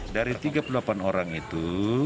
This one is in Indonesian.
dari tiga puluh delapan orang itu